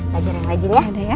lajar yang lajin ya